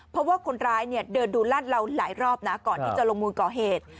เพราะว่าคนร้ายเนี่ยเดินดูลาดเราหลายรอบนะก่อนที่จะลงมือก่อเหตุ